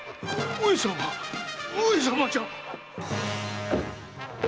上様じゃ‼